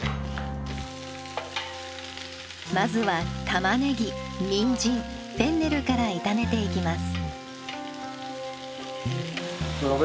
まずはたまねぎにんじんフェンネルから炒めていきます。